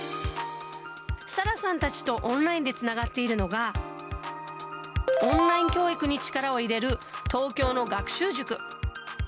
サラさんたちとオンラインでつながっているのが、オンライン教育に力を入れる東京の学習塾。